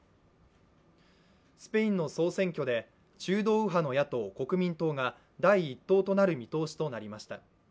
スペインの総選挙で中道右派の野党・国民党が第１党となる見通しとなりました。